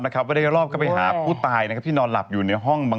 ว่าได้รอบไปหาผู้ตายที่นอนหลับอยู่ในห้อง